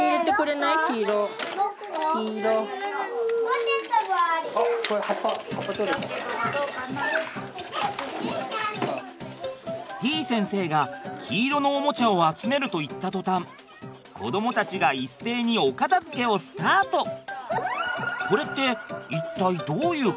てぃ先生が黄色のおもちゃを集めると言った途端子どもたちが一斉にお片づけをスタート！